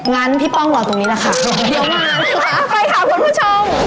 งั้นพี่ป้องหลอกตรงนี้ล่ะค่ะเดี๋ยวมาค่ะไปค่ะผู้ชม